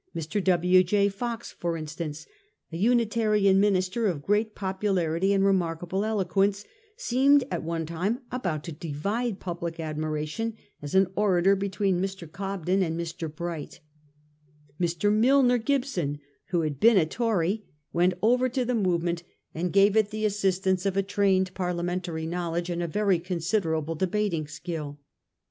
Mr. W. J. Fox, for instance, a Unitarian minister of great popularity and remarkable eloquence, seemed at one time almost to divide public admiration as an orator with Mr. Cobden and Mr. Bright. Mr. Milner Gibson, who had been a Tory, went over to the move 1841 — 6 . LIEUTENANTS OP THE LEAGUE. 347 ment, and gave it the assistance of trained Parlia mentary knowledge and very considerable debating skill.